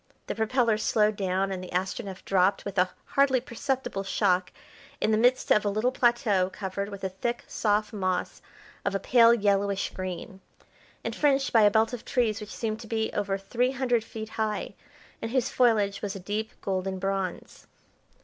The propellers slowed down and the Astronef dropped with a hardly perceptible shock in the midst of a little plateau covered with a thick, soft moss of a pale yellowish green, and fringed by a belt of trees which seemed to be over three hundred feet high, and whose foliage was a deep golden bronze.